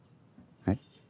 はい？